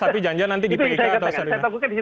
tapi jangan jangan nanti di pik atau sardinia